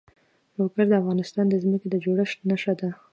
لوگر د افغانستان د ځمکې د جوړښت نښه ده.